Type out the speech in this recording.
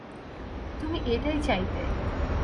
তুমি এটাই চাইতে।